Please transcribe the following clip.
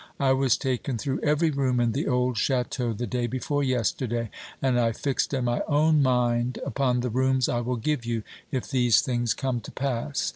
I was taken through every room in the old château the day before yesterday, and I fixed in my own mind upon the rooms I will give you, if these things come to pass.